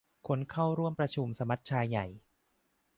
คนเข้าร่วมประชุมสมัชชาใหญ่